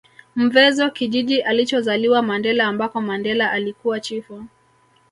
Mvezo kijiji alichozaliwa Mandela ambako Mandela alikuwa chifu